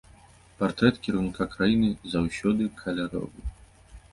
Партрэт кіраўніка краіны заўсёды каляровы.